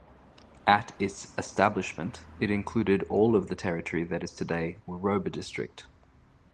At its establishment, it included all of the territory that is today Woroba District.